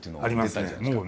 ありますね。